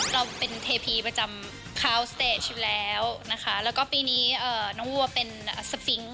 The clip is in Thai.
เราเป็นเทพีประจำคาวสเตจอยู่แล้วนะคะแล้วก็ปีนี้น้องวัวเป็นสปิงค์